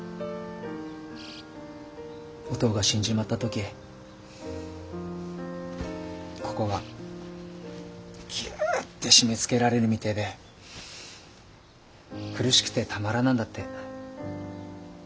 おとうが死んじまった時ここがギュッて締めつけられるみてえで苦しくてたまらなんだって。